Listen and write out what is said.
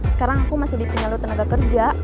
sekarang aku masih di pinggal lo tenaga kerja